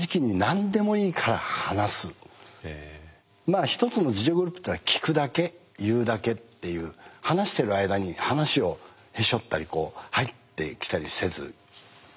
まあ一つの自助グループってのは聞くだけ言うだけっていう話してる間に話をへし折ったり入ってきたりせずじっくり聞く。